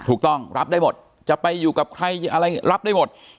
ถูกต้องรับได้หมดจะไปอยู่กับใครอะไรรับได้หมด